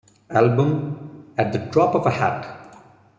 Album - "At the Drop of a Hat".